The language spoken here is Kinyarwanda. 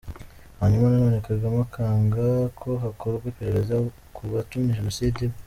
Hanyuma na none Kagame, akanga ko hakorwa iperereza k’uwatumye genocide iba!